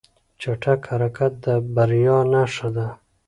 چټک حرکت د بریا نښه ده.